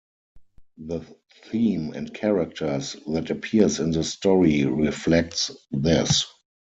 The theme and characters that appears in the story reflects this.